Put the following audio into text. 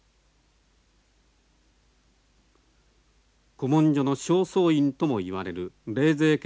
古文書の正倉院とも言われる冷泉家